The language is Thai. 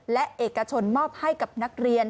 และเอกชนมอบให้กับนักเรียน